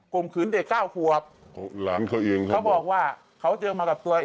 กลมขืนเด็กเก้าหัว